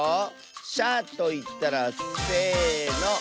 「しゃ」といったらせの。